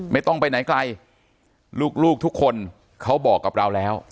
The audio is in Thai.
ไม่ต้องไปไหนไกลลูกทุกคนเขาบอกกับเราแล้ว